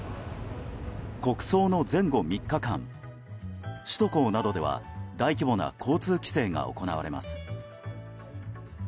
国葬の前後３日間首都高などでは大規模な交通規制が行われます。